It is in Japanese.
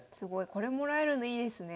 これもらえるのいいですね。